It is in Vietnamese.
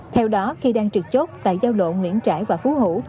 theo đó khi đang trực chốt tại giao lộ nguyễn trãi và phú hữu